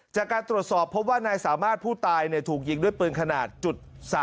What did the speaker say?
จากการตรวจสอบพบว่านายสามารถผู้ตายถูกยิงด้วยปืนขนาด๓๓